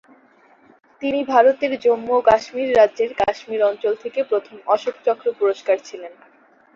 তিনি ভারতের জম্মু ও কাশ্মীর রাজ্যের কাশ্মীর অঞ্চল থেকে প্রথম অশোক চক্র পুরস্কার ছিলেন।